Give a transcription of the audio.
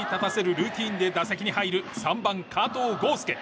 ルーティンで打席に入る３番、加藤豪将。